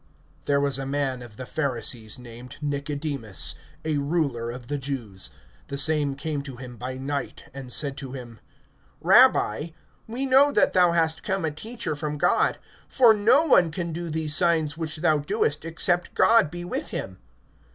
THERE was a man of the Pharisees, named Nicodemus, a ruler of the Jews. (2)The same came to him by night, and said to him: Rabbi, we know that thou hast come a teacher from God; for no one can do these signs which thou doest, except God be with him.